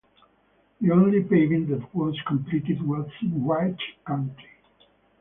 The only paving that was completed was in Wright County.